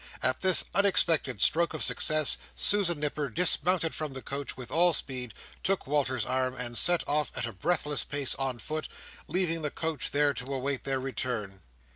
At this unexpected stroke of success Susan Nipper dismounted from the coach with all speed, took Walter's arm, and set off at a breathless pace on foot; leaving the coach there to await their return.